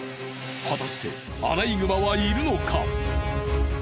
果たしてアライグマはいるのか？